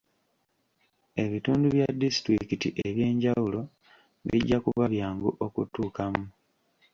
Ebitundu bya disitulikiti eby'enjawulo bijja kuba byangu okutuukamu.